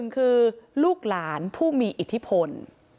คือลูกหลานผู้มีอิทธิพล